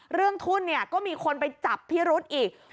เรื่องทุ่นเนี่ยก็มีคนไปจับพี่รุษอีก